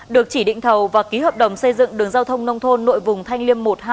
được chỉ định thầu và ký hợp đồng xây dựng đường giao thông nông thôn nội vùng thanh liêm một hai